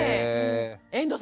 遠藤さん